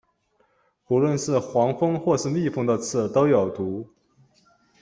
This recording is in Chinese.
不论是黄蜂或是蜜蜂的刺都有毒。